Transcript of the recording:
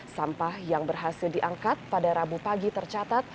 sampah yang berhasil diangkat pada rabu pagi tercatat